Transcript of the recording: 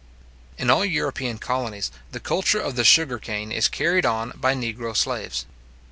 In all European colonies, the culture of the sugar cane is carried on by negro slaves.